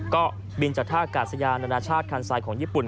ก็บินจากท่ากาศยานานาชาติคันไซด์ของญี่ปุ่น